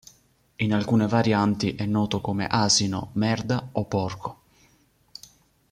In alcune varianti è noto come Asino, Merda o Porco.